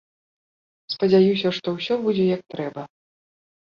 Спадзяюся, што ўсё будзе, як трэба!